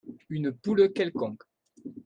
une poule quelconque.